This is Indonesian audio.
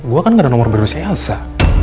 gue kan gak ada nomor berdua si alsa